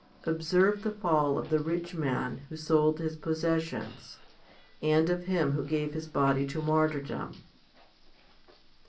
Observe the fall of the rich man who sold his possessions, and of him who gave his body to martyrdom.